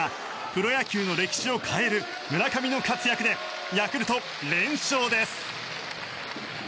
プロ野球の歴史を変える村上の活躍でヤクルト連勝です。